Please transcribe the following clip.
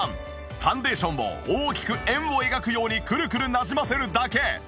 ファンデーションを大きく円を描くようにくるくるなじませるだけ！